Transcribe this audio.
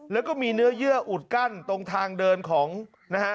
แล้วก็มีเนื้อเยื่ออุดกั้นตรงทางเดินของนะฮะ